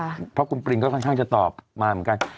ครับครับนะครับคุณปริงจ์ก็ค่อนข้างจะตอบมาเหมือนกัน